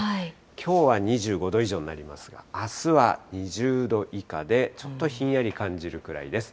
きょうは２５度以上になりますが、あすは２０度以下でちょっとひんやり感じるくらいです。